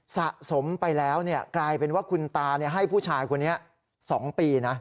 สะสมไปแล้วกลายเป็นว่าคุณตาให้ผู้ชายคนนี้๒ปีนะ